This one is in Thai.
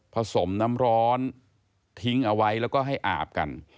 สมน้ำร้อนทิ้งเอาไว้แล้วก็ให้อาบกัน